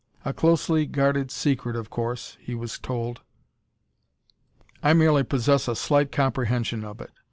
"A closely guarded secret, of course," he was told. "I merely possess a slight comprehension of it.